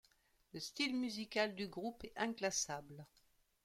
Le style musical du groupe est inclassable.